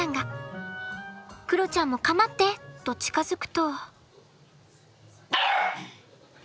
クロちゃんもかまって！と近づくと。